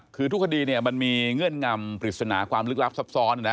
คือทุกคดีมันมีเงื่อนงำปริศนาความลึกลับซับซ้อน